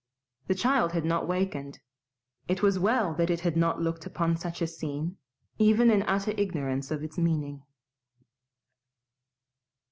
The child had not wakened. It was well that it had not looked upon such a scene, even in utter ignorance of its meaning.